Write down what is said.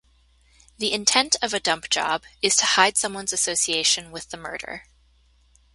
The intent of a dump job is to hide someone's association with the murder.